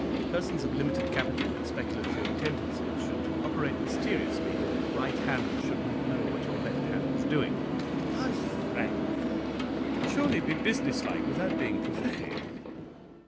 "Persons of limited capital and speculative tendencies should operate mysteriously. Your right hand should not know what your left hand is doing." "Hush, Frank! you can surely be business like without being profane.